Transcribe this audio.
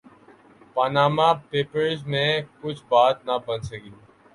Panama papers میں کچھ بات نہ بن سکی۔